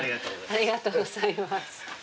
ありがとうございます。